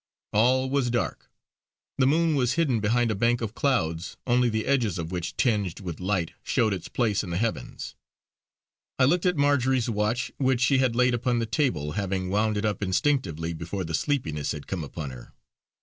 All was dark. The moon was hidden behind a bank of cloud, only the edges of which tinged with light showed its place in the heavens. I looked at Marjory's watch which she had laid upon the table, having wound it up instinctively before the sleepiness had come upon her.